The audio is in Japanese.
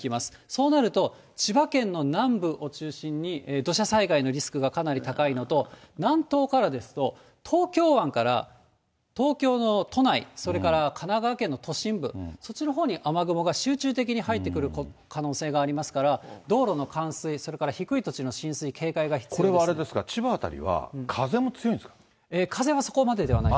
そうなると、千葉県の南部を中心に土砂災害のリスクがかなり高いのと、南東からですと、東京湾から東京の都内、それから神奈川県の都心部、そっちのほうに雨雲が集中的に入ってくる可能性がありますから、道路の冠水、それから低い土地の浸水、これはあれですか、風はそこまででは雨？